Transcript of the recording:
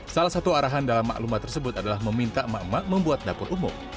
salah satu arahan dalam maklumat tersebut adalah meminta emak emak membuat dapur umum